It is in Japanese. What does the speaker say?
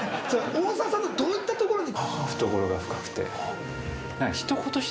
大沢さんのどういったところに？